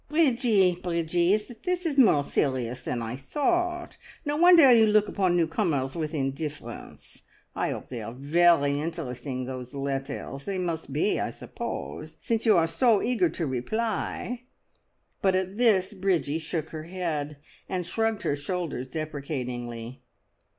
"Bridgie, Bridgie! this is more serious than I thought. No wonder you look upon new comers with indifference. I hope they are very interesting, those letters. They must be, I suppose, since you are so eager to reply." But at this Bridgie shook her head, and shrugged her shoulders deprecatingly.